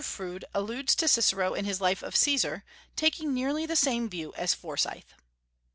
Froude alludes to Cicero in his Life of Caesar, taking nearly the same view as Forsyth.